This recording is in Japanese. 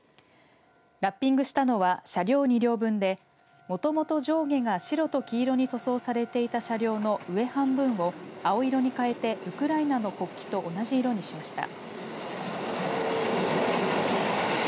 ラッピングしたのは車両２両分でもともと上下が白と黄色に塗装されていた車両の上半分を青色に変えてウクライナ国旗と同じ色にしました。